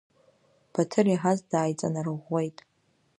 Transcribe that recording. Баҭыр иаҳаз дааиҵанарӷәӷәеит.